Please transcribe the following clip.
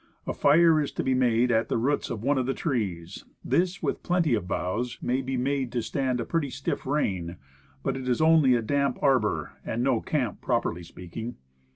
A fire is to be made at the roots of one of the trees. This, with plenty of boughs, maybe made to stand a pretty stiff rain; but it is only a damp arbor, and no camp, properly speaking.